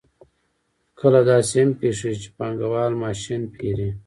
کله داسې هم پېښېږي چې پانګوال ماشین پېري